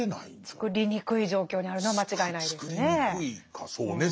つくりにくい状況にあるのは間違いないですね。